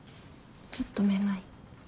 ちょっとめまい。